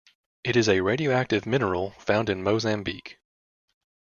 It is a radioactive mineral found in Mozambique.